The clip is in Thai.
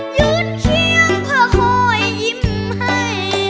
ยืนเคียงเพื่อคอยยิ้มให้